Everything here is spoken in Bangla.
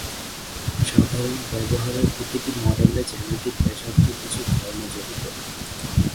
সাধারণ ব্যবহারের প্রতিটি মডেলে জ্যামিতিক ব্যাসার্ধের কিছু ধারণা জড়িত।